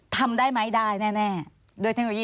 สวัสดีค่ะที่จอมฝันครับ